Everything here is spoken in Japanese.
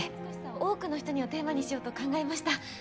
多くの人にをテーマにしようと考えました